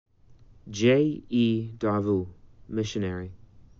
J. E. Darveau, missionary.